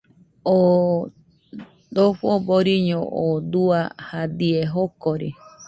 Oo dojo boriño oo dua jadie jokori